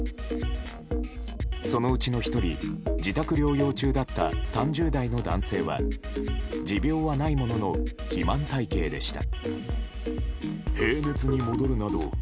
そのうちの１人自宅療養中だった３０代の男性は持病はないものの肥満体形でした。